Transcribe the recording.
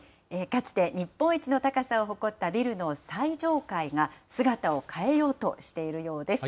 かつて日本一の高さを誇ったビルの最上階が姿を変えようとしているようです。